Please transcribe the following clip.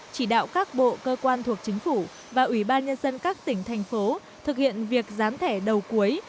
chỉ đạo các bộ cơ quan thuộc chính phủ và ủy ban nhân dân các tỉnh thành phố thực hiện việc gián thẻ đầu cuối